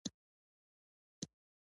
سمونپال په علمي تیوریو معرفت ولري.